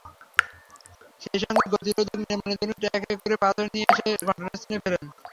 সেই সঙ্গে গতিরোধক নির্মাণের জন্য ট্রাকে করে পাথর নিয়ে এসে ঘটনাস্থলে ফেলেন।